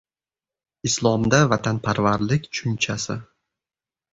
Islomda vatanparvarlik tushunchasi